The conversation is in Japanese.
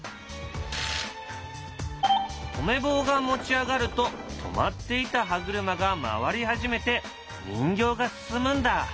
止め棒が持ち上がると止まっていた歯車がまわり始めて人形が進むんだ。